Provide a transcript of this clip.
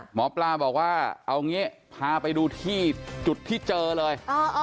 หมอปลาบอกว่าเอางี้พาไปดูที่จุดที่เจอเลย